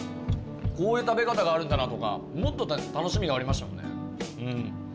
こういう食べ方があるんだなとかもっと楽しみがありましたもんねうん。